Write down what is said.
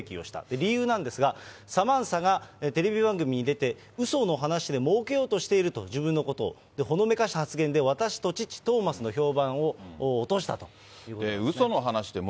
理由なんですが、サマンサがテレビ番組に出て、うその話でもうけようとしていると、自分のことを、ほのめかした発言で、私と父、トーマスの評判を落としたということなんですね。